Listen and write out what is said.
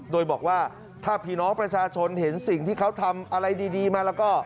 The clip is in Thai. โดยบอกว่าถ้าพี่น้องประชาชนเห็นสิ่งที่เขาทำอะไรดีมาแล้วก็